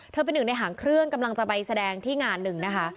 เป็นหนึ่งในหางเครื่องกำลังจะไปแสดงที่งานหนึ่งนะคะ